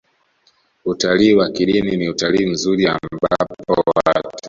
Utalii wa kidini ni utalii mzuri ambapo watu